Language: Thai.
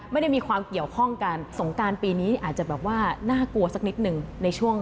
ไม่ได้มีความเกี่ยวข้องกันสงการปีนี้อาจจะน่ากลัวสักนิดหนึ่ง